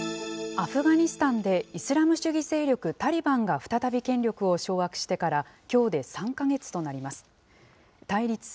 アフガニスタンで、イスラム主義勢力タリバンが再び権力を掌握してから、きょうで３か月となります。